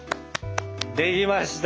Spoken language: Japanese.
できました！